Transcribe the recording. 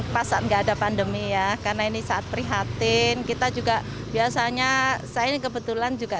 pasal enggak ada pandemi ya karena ini saat prihatin kita juga biasanya saya kebetulan juga